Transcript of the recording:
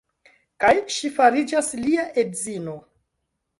Kaj ŝi fariĝas lia edzino.